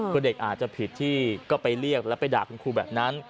คือเด็กอาจจะผิดที่ก็ไปเรียกแล้วไปด่าคุณครูแบบนั้น